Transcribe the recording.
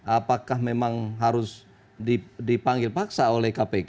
apakah memang harus dipanggil paksa oleh kpk